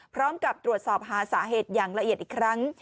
พร้อมกับตรวจสอบหาสาเหตุอย่างละเอียดอีกครั้ง